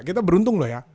kita beruntung loh ya